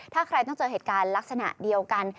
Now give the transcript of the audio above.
ถ้าใครต้องเจอเหตุการณ์ลักษณะเดียวกัน